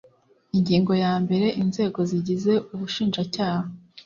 Ingingo ya mbere Inzego zigize Ubushinjacyaha